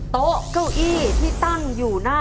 โต๊ะเก้าอี้ที่ตั้งอยู่หน้า